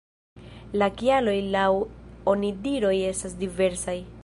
La kialoj laŭ onidiroj estas diversaj.